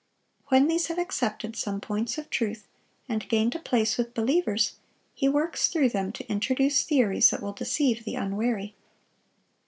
When these have accepted some points of truth, and gained a place with believers, he works through them to introduce theories that will deceive the unwary.